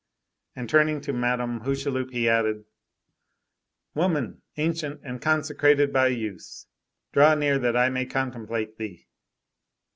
And turning to Madame Hucheloup, he added:— "Woman ancient and consecrated by use, draw near that I may contemplate thee!"